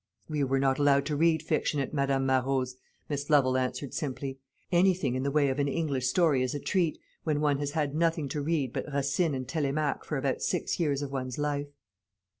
"We were not allowed to read fiction at Madame Marot's," Miss Lovel answered simply. "Anything in the way of an English story is a treat when one has had nothing to read but Racine and Télémaque for about six years of one's life."